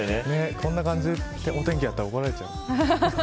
こんな感じでお天気やったら怒られちゃう。